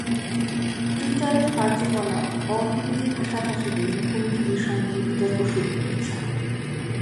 টুইটারের কার্যকলাপ অ-হিন্দি ভাষাভাষীদের মুখোমুখি বিষয় নিয়ে বিতর্ক শুরু করেছে।